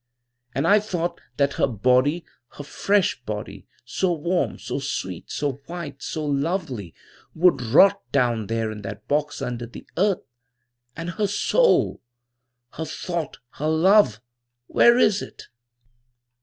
And I thought that her body, her fresh body, so warm, so sweet, so white, so lovely, would rot down there in that box under the earth. And her soul, her thought, her love—where is it?